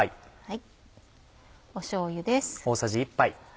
しょうゆです。